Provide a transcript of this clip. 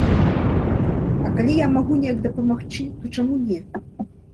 А калі я магу неяк дапамагчы, то чаму не?